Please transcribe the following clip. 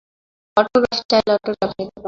Autograph চাইলে autograph নিতে পারেন।